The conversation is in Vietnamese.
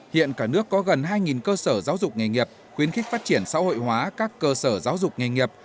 hiện cả nước có gần hai cơ sở giáo dục nghề nghiệp khuyến khích phát triển xã hội hóa các cơ sở giáo dục nghề nghiệp